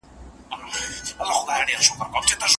ماهر به د ساعت تاريخ لټوي.